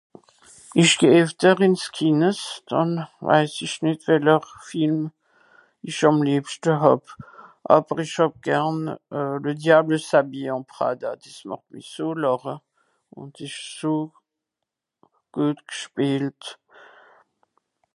"Ich geh efter ins Kines, dànn weiss ich nìtt, weller Film ich àm liebschte hàb. Àwer ich hàb gern euh ""Le diable s'habille en Prada"", dìss màcht mi so làche, ùn s ìsch so guet gspielt"